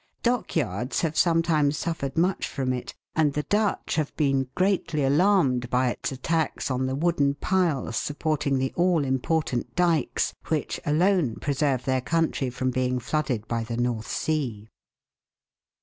Dockyards have sometimes suffered much from it ; and the Dutch have been greatly alarmed by its attacks on the wooden piles supporting the all important dykes which alone preserve their country from being flooded by the North Sea.